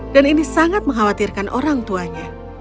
ini sangat mengkhawatirkan orang tuanya